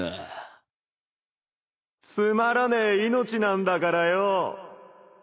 つまらねえ命なんだからよう。